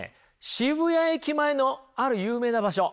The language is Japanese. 渋谷駅前のある有名な場所。